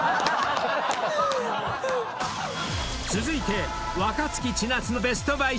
［続いて］